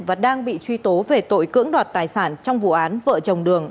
và đang bị truy tố về tội cưỡng đoạt tài sản trong vụ án vợ chồng đường